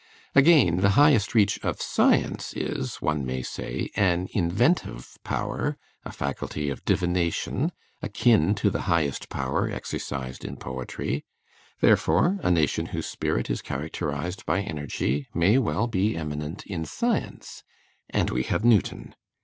Again, the highest reach of science is, one may say, an inventive power, a faculty of divination, akin to the highest power exercised in poetry; therefore a nation whose spirit is characterized by energy may well be eminent in science; and we have Newton.